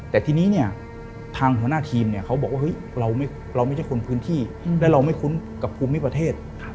แต่ทีนี้เนี่ยทางหัวหน้าทีมเขาบอกว่าเราไม่ใช่คนพื้นที่และเราไม่คุ้นกับภูมิประเทศ